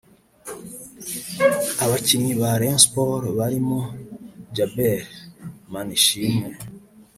abakinnyi ba Rayon Sports barimo Djabel Manishimwe